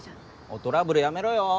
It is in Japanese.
おいトラブルやめろよ？